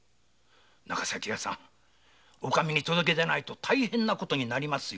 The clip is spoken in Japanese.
長崎屋さんお上に届けないと大変な事になりますよ。